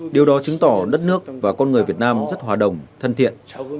điều đó chứng tỏ đất nước và con người việt nam rất hòa đồng thân thiện